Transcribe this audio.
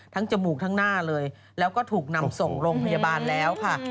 จมูกทั้งหน้าเลยแล้วก็ถูกนำส่งโรงพยาบาลแล้วค่ะ